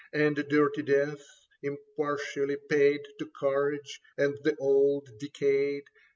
And dirty death, impartially paid To courage and the old decayed.